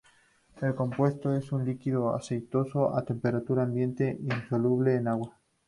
El compuesto es un líquido aceitoso a temperatura ambiente, insoluble en agua.